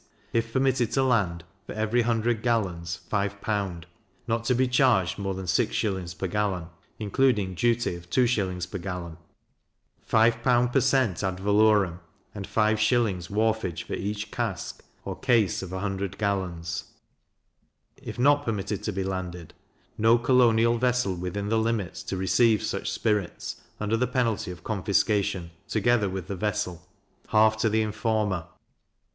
If permitted to be landed, for every 100 gallons, 5L.; not to be charged more than 6s. per gallon, including duty of 2s. per gallon; 5L. per cent. ad valorem, and 5s. wharfage for each cask or case of 100 gallons. If not permitted to be landed, no colonial vessel within the limits to receive such spirits, under the penalty of confiscation, together with the vessel; half to the informer.